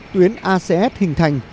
tuyến acs hình thành